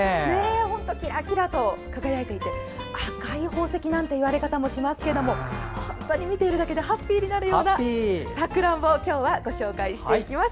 本当にきらきらと輝いて赤い宝石なんて言われ方もしますけど本当に見ているだけでハッピーになるようなさくらんぼを今日はご紹介します。